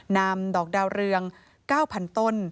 นำดอกดาวเรือง๙๐๐ต้น